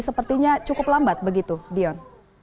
sepertinya cukup lambat begitu dion